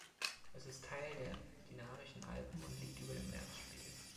Es ist Teil der Dinarischen Alpen und liegt über dem Meeresspiegel.